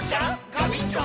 ガビンチョ！